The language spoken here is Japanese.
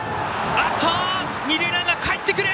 二塁ランナー、かえってくる！